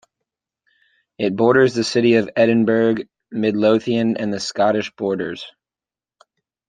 It borders the City of Edinburgh, Midlothian and the Scottish Borders.